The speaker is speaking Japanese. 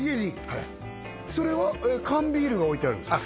はいそれは缶ビールが置いてあるんですか？